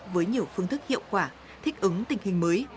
với nhiều phương thức hiệu quả thích ứng tình hình mới